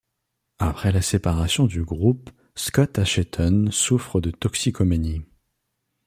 Après la séparation du groupe, Scott Asheton souffre de toxicomanie.